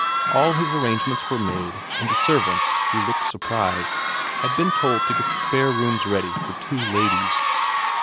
All his arrangements were made, and the servants, who looked surprised, had been 122 VERA xi told to get the spare rooms ready for two ladies.